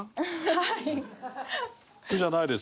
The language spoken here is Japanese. はい。